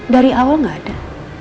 dari awal gak ada